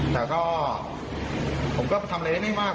แต่ก็ผมก็ทำอะไรได้ไม่มาก